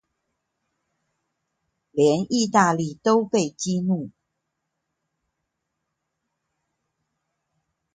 連義大利都被激怒